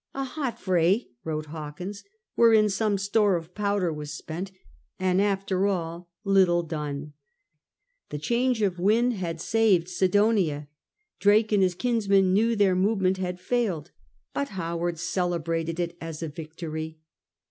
" A hot fray," wrote Hawkins, " wherein some store of powder was spent, and, after all, little done." The change of wind had saved Sidonia Drake and his kins man knew their movement had failed, but Howard cele brated it as a victory.